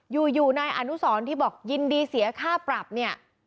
อยู่นายอนุสรที่บอกยินดีเสียค่าปรับเนี่ย